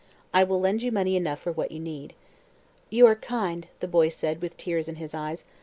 I will lend you money enough for what you need." "You are kind," the boy said, with tears in his eyes.